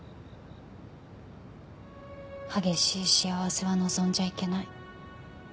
激しい幸せは望んじゃいけない。